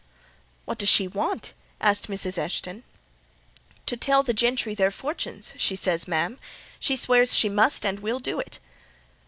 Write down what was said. "What does she want?" asked Mrs. Eshton. "'To tell the gentry their fortunes,' she says, ma'am; and she swears she must and will do it."